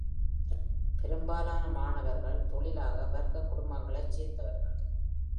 பெரும்பாலான மாணவர்கள் தொழிலாள வர்க்க குடும்பங்களைச் சேர்ந்தவர்கள்.